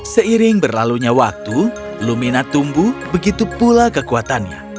seiring berlalunya waktu lumina tumbuh begitu pula kekuatannya